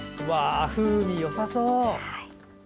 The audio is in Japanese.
風味よさそう！